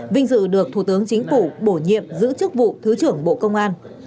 vinh dự được thủ tướng chính phủ bổ nhiệm giữ chức vụ thứ trưởng bộ công an